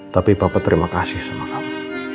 tapi bapak terima kasih sama kamu